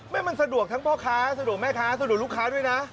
มันสะดวกทั้งพ่อค้าสะดวกแม่ค้าสะดวกลูกค้าด้วยนะ